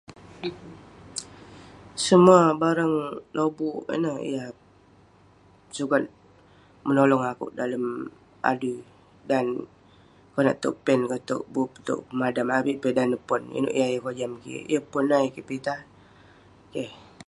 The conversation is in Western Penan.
Semua barang lobuk ineh yah sukat menolong akouk dalem adui..dan..konak towk pen, konak towk bup..konak towk pemadam..avik peh eh dan neh pon..inouk yah yeng kojam kik, yeng pon ineh ayuk kik pitah, keh..